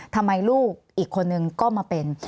ทำไมลูกอีกคนนึงก็มาเป็น